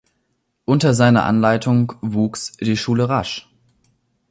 Unter seiner Anleitung wuchs die Schule rasch.